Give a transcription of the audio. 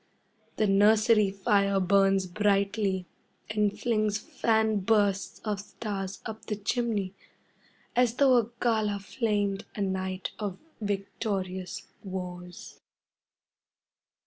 The nursery fire burns brightly and flings fan bursts of stars up the chimney, as though a gala flamed a night of victorious wars.